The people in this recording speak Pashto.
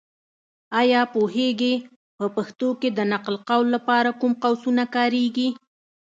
ایا پوهېږې؟ په پښتو کې د نقل قول لپاره کوم قوسونه کارېږي.